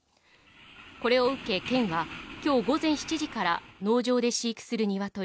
これを受け県はきょう午前７時から農場で飼育するニワトリ